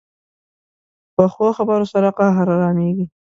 پخو خبرو سره قهر ارامېږي